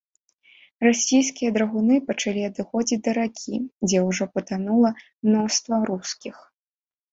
Расійскія драгуны пачалі адыходзіць да ракі, дзе ўжо патанула мноства рускіх.